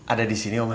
ada disini oma